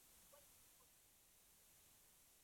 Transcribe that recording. Punguza muda wa wanyama kukaa katika maeneo yenye unyevunyevu